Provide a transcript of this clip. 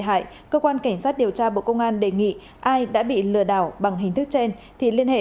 hại cơ quan cảnh sát điều tra bộ công an đề nghị ai đã bị lừa đảo bằng hình thức trên thì liên hệ